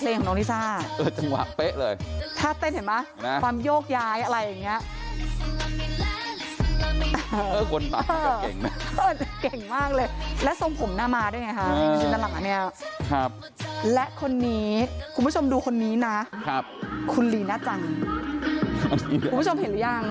เก่งมากเลยและส่งผมหน้ามาด้วยไงค่ะคุณผู้ชมดูคนนี้นะคุณลีน่าจังคุณผู้ชมเห็นหรือยัง